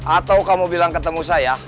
atau kamu bilang ketemu saya